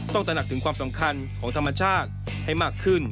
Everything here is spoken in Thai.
ตระหนักถึงความสำคัญของธรรมชาติให้มากขึ้น